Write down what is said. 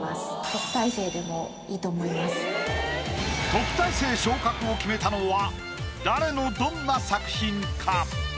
特待生昇格を決めたのは誰のどんな作品か？